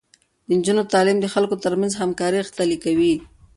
د نجونو تعليم د خلکو ترمنځ همکاري غښتلې کوي.